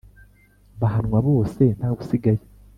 bahanwa bose ntawusigaye,